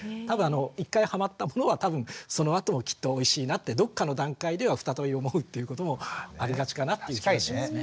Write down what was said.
１回ハマったものは多分そのあともきっとおいしいなってどっかの段階では再び思うっていうこともありがちかなっていう気はしますね。